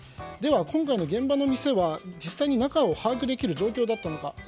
では、今回の現場の店は実際に中を把握できる状況だったのか。